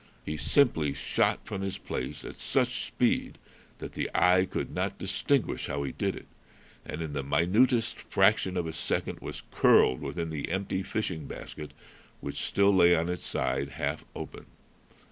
He simply shot from his place, at such speed that the eye could not distinguish how he did it, and in the minutest fraction of a second was curled within the empty fishing basket, which still lay on its side, half open.